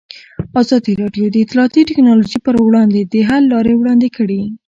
ازادي راډیو د اطلاعاتی تکنالوژي پر وړاندې د حل لارې وړاندې کړي.